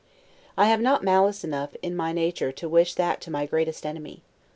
I have not malice enough in my nature, to wish that to my greatest enemy.